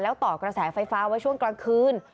แล้วต่อกระแสไฟฟ้าไว้ช่วงกลางคืน